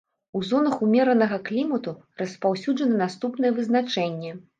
У зонах умеранага клімату распаўсюджана наступнае вызначэнне.